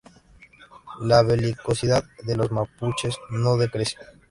La belicosidad de los mapuches no decrece.